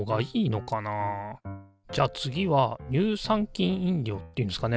じゃあ次は乳酸菌飲料っていうんですかね。